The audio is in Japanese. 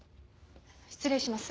失礼します。